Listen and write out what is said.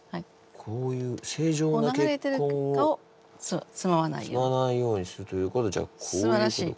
こういう正常な血管をつままないようにするということはじゃあこういうことか。